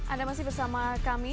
anda masih bersama kami